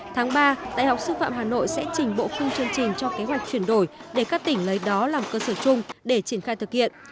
tháng ba đại học xúc phạm hà nội sẽ trình bộ khung chương trình cho kế hoạch chuyển đổi để các tỉnh lấy đó làm cơ sở chung để triển khai thực hiện